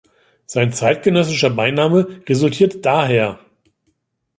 Sein zeitgenössischer Beiname resultiert daher.